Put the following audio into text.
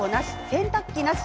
洗濯機なし！